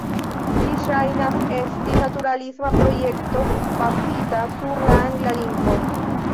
Ĝi ŝajnas esti naturalisma projekto bazita sur la angla lingvo.